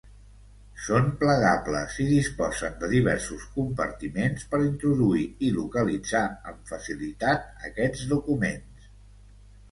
Són plegables i disposen de diversos compartiments per introduir i localitzar amb facilitat aquests documents.